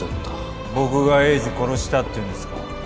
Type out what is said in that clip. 僕が栄治殺したっていうんですか？